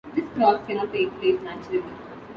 This cross cannot take place naturally.